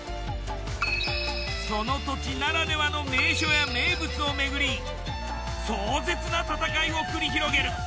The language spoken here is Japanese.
その土地ならではの名所や名物を巡り壮絶な戦いを繰り広げる。